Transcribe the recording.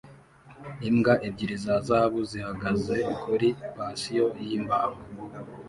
Imbwa ebyiri za zahabu zihagaze kuri patio yimbaho